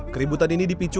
keributan ini dipicu